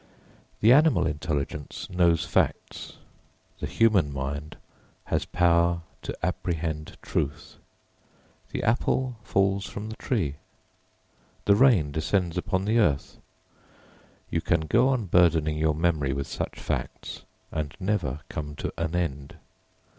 The animal intelligence knows facts, the human mind has power to apprehend truth. The apple falls from the tree, the rain descends upon the earth you can go on burdening your memory with such facts and never come to an end.